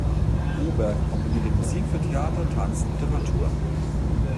Oberg komponiert Musik für Theater, Tanz, Literatur.